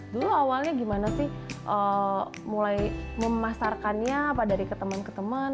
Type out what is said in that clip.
dulu awalnya gimana sih mulai memasarkannya apa dari teman teman